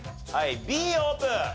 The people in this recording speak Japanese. はいＢオープン。